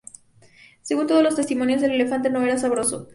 Según todos los testimonios, el elefante no era sabroso.